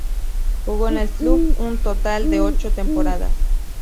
Jugó en el club un total de ocho temporadas.